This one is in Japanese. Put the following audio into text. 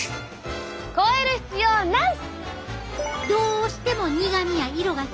越える必要なし！